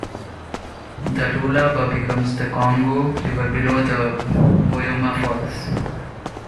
The Lualaba becomes the Congo River below the Boyoma Falls.